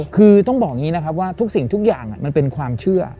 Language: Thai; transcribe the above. คือต้องบอกอย่างนี้นะครับว่าทุกสิ่งทุกอย่างมันเป็นความเชื่อ